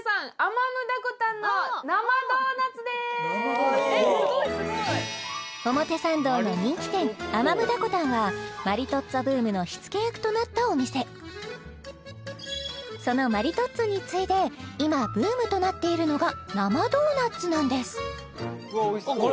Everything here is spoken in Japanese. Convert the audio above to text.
こちら表参道の人気店アマムダコタンはマリトッツォブームの火付け役となったお店そのマリトッツォに次いで今ブームとなっているのが生ドーナツなんですうわ